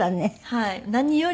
はい。